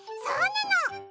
そうなの！